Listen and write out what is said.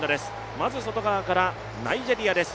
まず、外側からナイジェリアです。